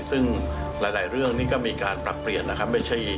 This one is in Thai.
ซึ่งหลายเรื่องนี้ก็มีการปรับเปลี่ยนนะครับ